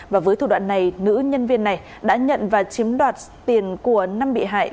và với thủ đoạn này nữ nhân viên này đã nhận và chiếm đoạt tiền của năm bị hại